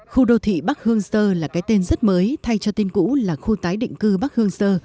khu đô thị bắc hương sơ là cái tên rất mới thay cho tên cũ là khu tái định cư bắc hương sơ